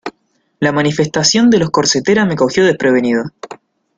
La manifestación de los corsetera me cogió desprevenido.